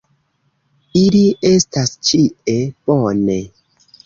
Ili estas ĉie. Bone.